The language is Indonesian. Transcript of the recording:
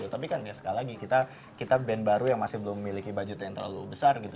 tapi kan ya sekali lagi kita band baru yang masih belum memiliki budget yang terlalu besar gitu